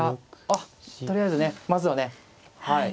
あっとりあえずねまずはねはい。